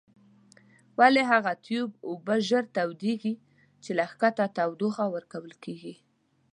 ولې هغه تیوب اوبه ژر تودیږي چې له ښکته تودوخه ورکول کیږي؟